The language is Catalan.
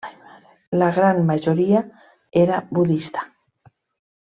La gran majoria era budista.